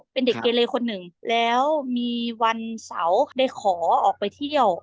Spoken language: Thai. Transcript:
เป็นเด็กเกเลคนหนึ่งแล้วมีวันเสาร์ได้ขอออกไปเที่ยว